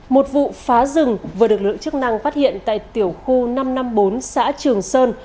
một vụ phá rừng vừa được lực lượng chức năng phát hiện tại tiểu khu năm trăm năm mươi bốn xã trường sơn